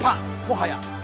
もはや。